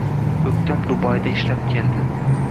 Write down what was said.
O'ktam Dubayda ishlab keldi